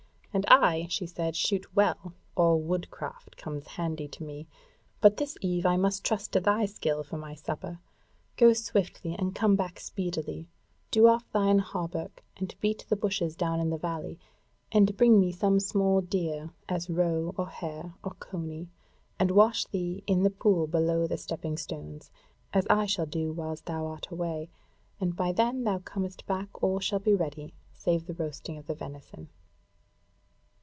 "And I," she said, "shoot well, all woodcraft comes handy to me. But this eve I must trust to thy skill for my supper. Go swiftly and come back speedily. Do off thine hauberk, and beat the bushes down in the valley, and bring me some small deer, as roe or hare or coney. And wash thee in the pool below the stepping stones, as I shall do whiles thou art away, and by then thou comest back, all shall be ready, save the roasting of the venison."